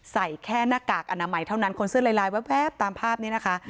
ใส่แค่หน้ากากอนามัยเท่านั้นคนเสื้อลายแว๊บตามภาพนี้นะคะ